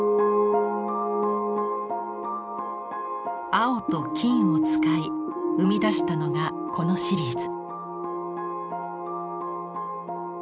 青と金を使い生み出したのがこのシリーズ。